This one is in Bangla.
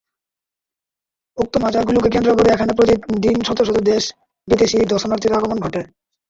উক্ত মাজার গুলোকে কেন্দ্র করে এখানে প্রতি দিন শত শত দেশ-বিদেশী দর্শনার্থীর আগমন ঘটে।